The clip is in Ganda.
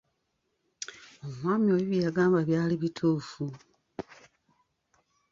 Omwami oli bye yangamba byali bituufu.